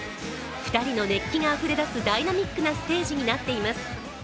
２人の熱気があふれ出すダイナミックなステージになっています。